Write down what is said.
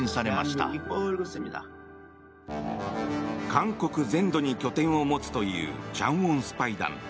韓国全土に拠点を持つという昌原スパイ団。